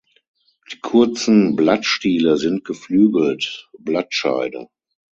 Die kurzen Blattstiele sind geflügelt (Blattscheide).